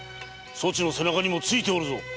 そちの背中にも憑いておるぞ！